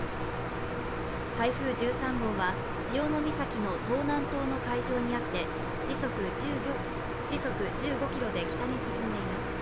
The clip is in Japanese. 台風１３号は潮岬の東南東の海上にあって時速１５キロで北に進んでいます。